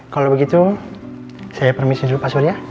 kalau begitu saya permisi dulu pak surya